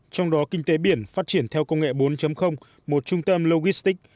trong đó kinh tế biển phát triển theo công nghệ bốn một trung tâm logistic